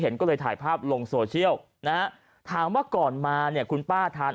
ก็เลยถ่ายภาพลงโซเชียลนะฮะถามว่าก่อนมาเนี่ยคุณป้าทาน